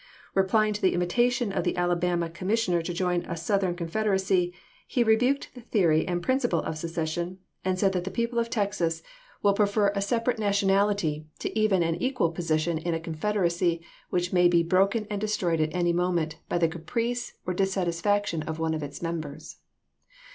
Replying to the invitation of the Alabama commissioner to join a Southern con federacy, he rebuked the theory and principle of secession, and said that the people of Texas " will 182 ABKAHAM LINCOLN Chap. IX. prefer a separate nationality to even an equal posi tion in a confederacy which may be broken and destroyed at any moment by the caprice or dis satisfaction of one of its members.